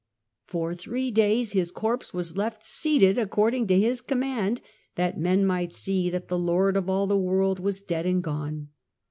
For three days his corpse was left seated according to his command :" that men might see that the lord of all the world was dead and gone